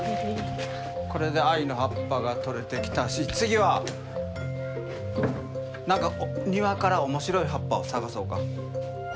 これで藍の葉っぱが取れてきたし次は何か庭から面白い葉っぱを探そうか。